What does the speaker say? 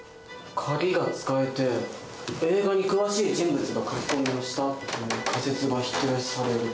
鍵が使えて映画に詳しい人物が書き込みをしたっていう仮説が否定される。